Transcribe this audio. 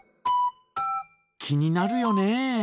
気になるよね。